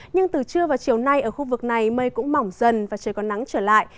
nhưng từ trưa và chiều nay ở khu vực này mây cũng mỏng dần và trời còn nắng trở lại